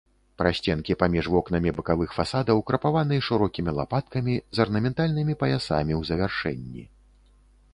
Прасценкі паміж вокнамі бакавых фасадаў крапаваны шырокімі лапаткамі з арнаментальнымі паясамі ў завяршэнні.